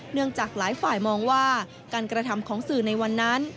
จากหลายฝ่ายมองว่าการกระทำของสื่อในวันนั้น